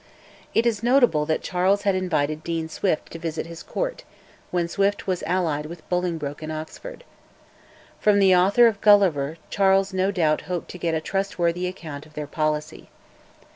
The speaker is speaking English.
It is notable that Charles had invited Dean Swift to visit his Court, when Swift was allied with Bolingbroke and Oxford. From the author of 'Gulliver' Charles no doubt hoped to get a trustworthy account of their policy.